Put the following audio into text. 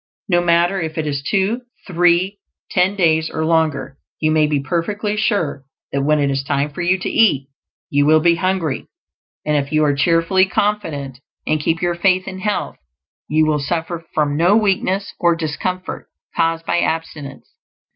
No matter if it is two, three, ten days, or longer; you may be perfectly sure that when it is time for you to eat you will be hungry; and if you are cheerfully confident and keep your faith in health, you will suffer from no weakness or discomfort caused by abstinence.